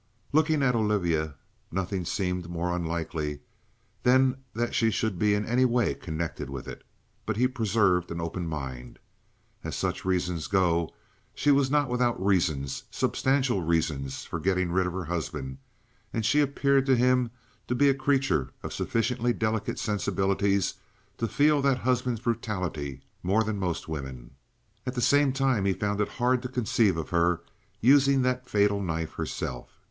Looking at Olivia, nothing seemed more unlikely than that she should be in any way connected with it. But he preserved an open mind. As such reasons go, she was not without reasons, substantial reasons, for getting rid of her husband, and she appeared to him to be a creature of sufficiently delicate sensibilities to feel that husband's brutality more than most women. At the same time he found it hard to conceive of her using that fatal knife herself.